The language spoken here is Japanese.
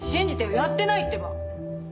やってないってば！